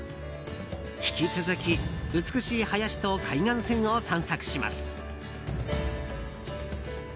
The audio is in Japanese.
引き続き美しい林と海岸線を散策します。